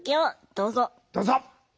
どうぞ。